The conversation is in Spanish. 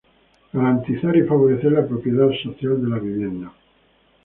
Garantizar y favorecer la propiedad social de la vivienda.